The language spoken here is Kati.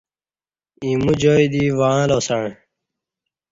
ا یمو جائ دی وعں لاسعں۔